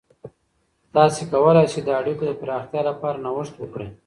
تاسې کولای سئ د اړیکو د پراختیا لپاره نوښت وکړئ.